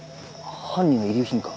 犯人の遺留品か？